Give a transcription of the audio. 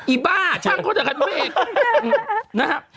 อีบ้าช่างเขาแต่กันเมฆนะครับ